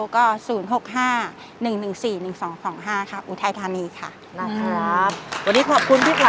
ขอบคุณครับ